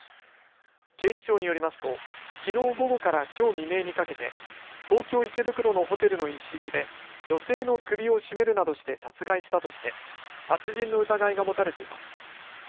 警視庁によりますときのう午後からきょう未明にかけて東京池袋のホテルの一室で女性の首を絞めるなどして殺害したとして殺人の疑いが持たれています。